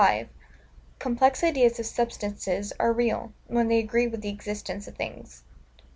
Complex Ideas of Substances are real, when they agree with the existence of Things.